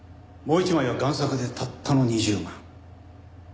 もう一枚は贋作でたったの２０万。